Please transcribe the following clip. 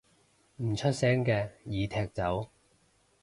唔出聲嘅已踢走